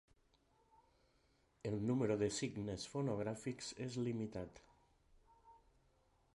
El número de signes fonogràfics és limitat.